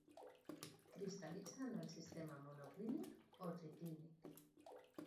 Cristal·litza en el sistema monoclínic o triclínic.